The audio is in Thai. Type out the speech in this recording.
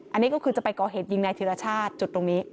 อันนี้ก็คือจะไปก่อเหตุยิงนายธิรชาติจุดตรงนี้